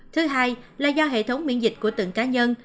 thứ hai là do hệ thống miễn dịch của từng cá nhân